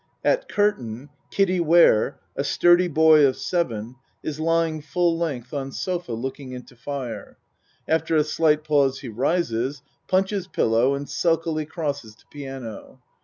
At curtain Kiddie Ware, a sturdy boy of sev en, is lying full length on sofa looking into fire. After a slight pause he rises punches pillow and sulkily crosses to piano.